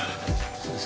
そうですか。